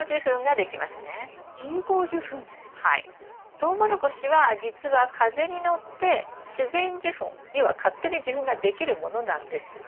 トウモロコシはじつは風に乗って自然受粉要は勝手に受粉ができるものなんですが。